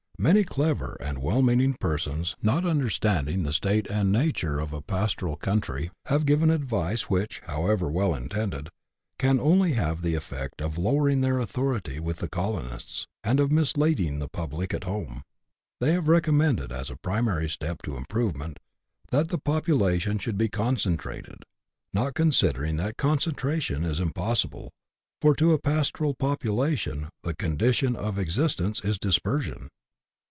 Many clever and well meaning persons, not understanding the state and nature of a pastoral country, have given advice which, however well intended, can only have the effect of lowering their authority with the colonists, and of misleading the public at home. They have recommended, as a primary step to improvement, that the population should be concentrated, not considering that con centration is impossible, for to a pastoral population the con dition of existence is dispersion.